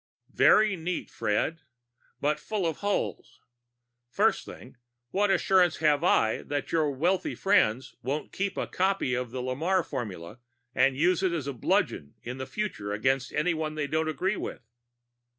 "Very neat, Fred. But full of holes. First thing, what assurance have I that your wealthy friends won't keep a copy of the Lamarre formula and use it as a bludgeon in the future against anyone they don't agree with?"